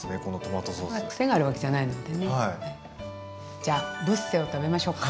じゃあブッセを食べましょうか。